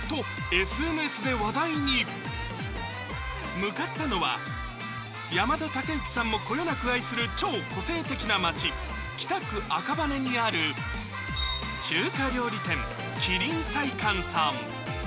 向かったのは山田孝之さんもこよなく愛する超個性的な町、北区赤羽にある中華料理店、麒麟菜館さん。